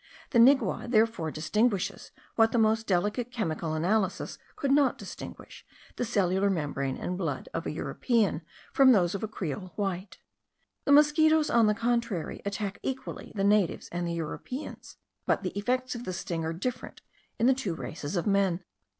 The nigua therefore distinguishes what the most delicate chemical analysis could not distinguish, the cellular membrane and blood of a European from those of a creole white. The mosquitos, on the contrary, attack equally the natives and the Europeans; but the effects of the sting are different in the two races of men.